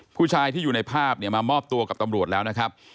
ผู้ชายที่อยู่ในภาพเนี่ยมามอบตัวกับตำรวจแล้วนะครับ